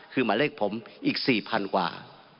คือหมายเลขผมอีกสี่พันกว่า